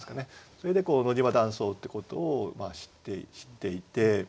それで野島断層ってことを知っていて。